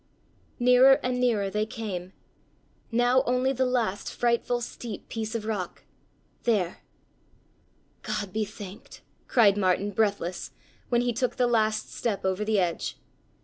Nearer and nearer they came—now only the last frightful steep piece of rock—there—— "God be thanked!" cried Martin, breathless, when he took the last step over the edge.